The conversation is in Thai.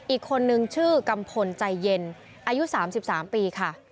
อีกคนนึงชื่อกัมพลใจเย็นอายุ๓๓ปีค่ะ